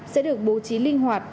sẽ được bố trí linh hoạt